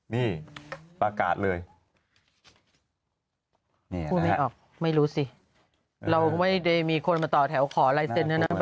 นี่ประกาศเลยไม่รู้สิเราไม่ได้มีคนมาต่อแถวขอไลน์เซ็นต์